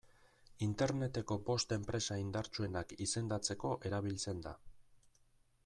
Interneteko bost enpresa indartsuenak izendatzeko erabiltzen da.